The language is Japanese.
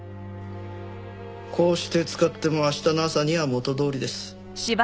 こうして使っても明日の朝には元どおりです。